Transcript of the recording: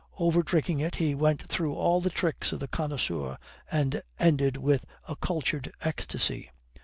Over drinking it he went through all the tricks of the connoisseur and ended with a cultured ecstasy.